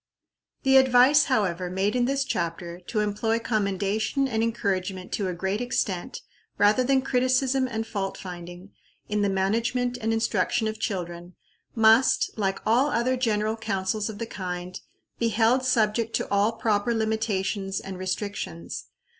The advice, however, made in this chapter, to employ commendation and encouragement to a great extent, rather than criticism and fault finding, in the management and instruction of children, must, like all other general counsels of the kind, be held subject to all proper limitations and restrictions.